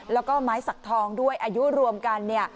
แล้วก็ไม้สักทองด้วยอายุรวมกัน